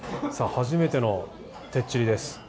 初めてのてっちりです。